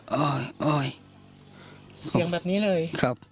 เสียงแบบนี้เลยครับ